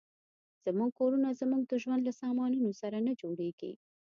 زموږ کورونه زموږ د ژوند له سامانونو سره نه جوړېږي.